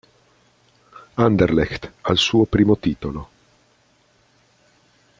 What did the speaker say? Anderlecht, al suo primo titolo.